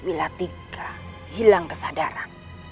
wilatika hilang kesadaran